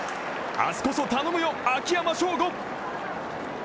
明日こそ頼むよ、秋山翔吾。